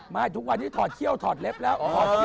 ทุกวันนี้ถอดเขี้ยวถอดเล็บแล้ว